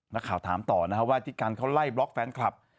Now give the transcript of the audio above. นักข่าวถามต่อนะครับว่าที่กันเขาไล่บล็อกแฟนคลับ